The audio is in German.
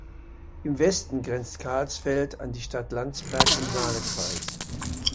Im Westen grenzt Carlsfeld an die Stadt Landsberg im Saalekreis.